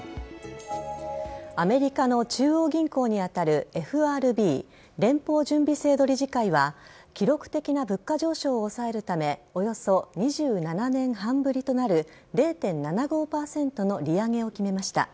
アメリカの中央銀行に当たるＦＲＢ＝連邦準備制度理事会は記録的な物価上昇を抑えるためおよそ２７年半ぶりとなる０．７５％の利上げを決めました。